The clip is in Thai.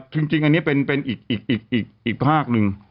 ถึงจริงอันนี้เป็นอีกภาษาหนึ่ง